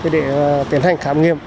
để tiến hành khám nghiệm